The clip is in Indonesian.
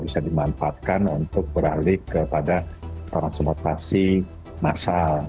bisa dimanfaatkan untuk beralih kepada transportasi massal